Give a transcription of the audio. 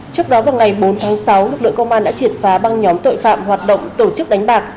trước đó vào ngày bốn tháng sáu lực lượng công an đã triệt phá băng nhóm tội phạm hoạt động tổ chức đánh bạc